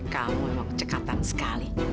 kamu emang kecekatan sekali